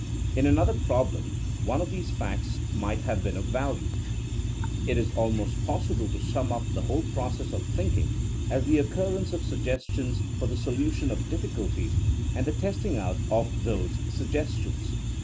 In another problem one of these facts might have been of value. It is almost possible to sum up the whole process of thinking as the occurrence of sugges tions for the solution of diflSculties and the test ing out of those suggestions.